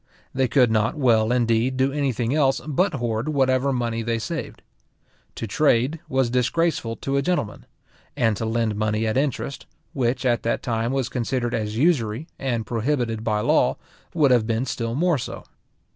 They could not well, indeed, do any thing else but hoard whatever money they saved. To trade, was disgraceful to a gentleman; and to lend money at interest, which at that time was considered as usury, and prohibited bylaw, would have been still more so.